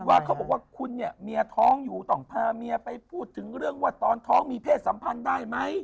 ว่าเขาบอกว่าคุณเนี่ยเมียท้องอยู่ต้องพาเมียไปพูดถึงเรื่องว่าตอนท้องมีเพศสัมพันธ์ได้ไหม